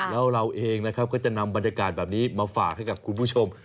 แล้วเราเองนะครับก็จะนำบรรยากาศแบบนี้มาฝากให้กับคุณผู้ชม